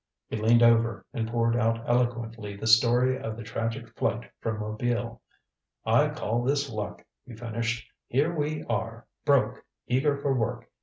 He leaned over, and poured out eloquently the story of the tragic flight from Mobile. "I call this luck," he finished. "Here we are, broke, eager for work.